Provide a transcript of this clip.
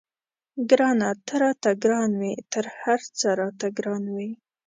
ګرانه ته راته ګران وې تر هر څه راته ګران وې.